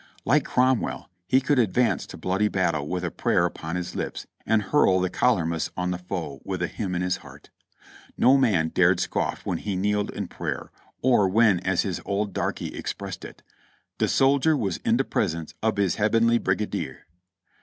Like Cromwell, he could advance to bloody battle with a prayer upon his lips, and hurl the colermus on the foe with a hymn in his heart. No man dared scoff when he kneeled in prayer or when as his old darky expressed it : "De soldier was in de presence Ob his Hebbenly Brigadier."